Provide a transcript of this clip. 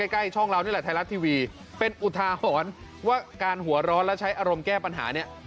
ใกล้ช่องเรานี่แหละไทยรัฐทีวีเป็นอุทาหรณ์ว่าการหัวร้อนและใช้อารมณ์แก้ปัญหาเนี่ย